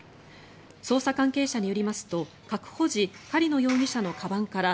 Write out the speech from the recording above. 捜査関係者によりますと確保時、狩野容疑者のかばんから